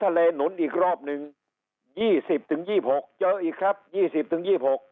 ทะเลหนุนอีกรอบหนึ่ง๒๐ถึง๒๖เยอะอีกครับ๒๐ถึง๒๖